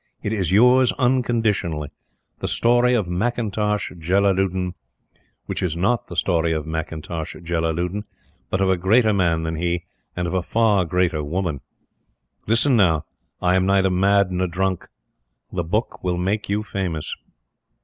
It is yours unconditionally the story of McIntosh Jellaludin, which is NOT the story of McIntosh Jellaludin, but of a greater man than he, and of a far greater woman. Listen now! I am neither mad nor drunk! That book will make you famous."